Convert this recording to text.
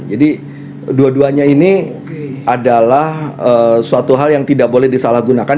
jadi dua duanya ini adalah suatu hal yang tidak boleh disalahgunakan